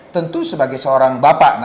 tentu sebagai seorang bapak